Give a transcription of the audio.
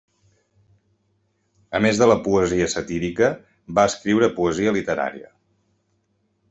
A més de la poesia satírica va escriure poesia literària.